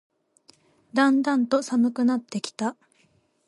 だんだんと寒くなってきた